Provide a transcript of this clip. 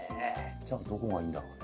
じゃあどこがいいんだろうね？